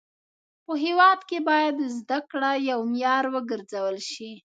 په هيواد کي باید زده کړه يو معيار و ګرځول سي.